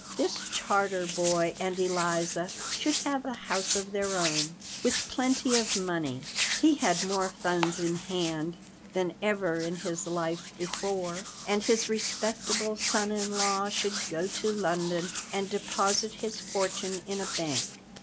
This Charter boy and Eliza should have a house of their own, with plenty of money he had more funds in hand than ever in his life before and his respectable son in law should go to London and deposit his fortune in a bank.